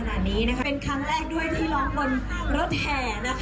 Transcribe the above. เป็นครั้งแรกด้วยที่ร้องกลบงานรถแถ